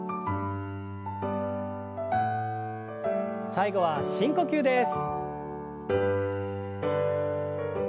最後は深呼吸です。